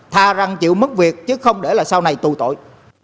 tha rằng chịu mất việc chứ không để là sau này tù tội